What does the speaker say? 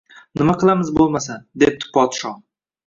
Nima qilamiz bo‘lmasa, debdi podsho